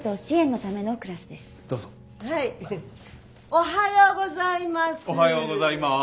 おはようございます！